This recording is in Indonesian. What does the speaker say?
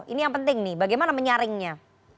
ini yang penting nih bagaimana menyaringnya